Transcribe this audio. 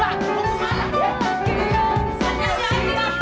aduh capek banget sih